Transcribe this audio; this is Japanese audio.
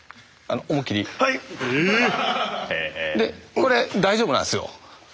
これ大丈夫なんですよ。